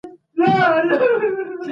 کله چي زه پسي ورغلم او ورته ومي ويل.